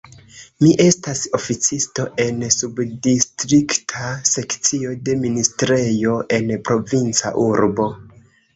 Mi estas oficisto en subdistrikta sekcio de ministrejo en provinca urbo.